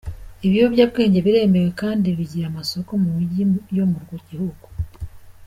Ibiyobyabwenge biremewe kandi bigira amasoko mu mijyi yo mu gihugu.